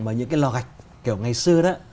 mà những cái lò gạch kiểu ngày xưa đó